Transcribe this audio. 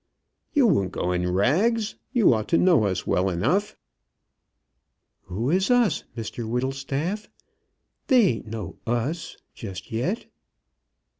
"You won't go in rags. You ought to know us well enough " "Who is us, Mr Whittlestaff? They ain't no us; just yet."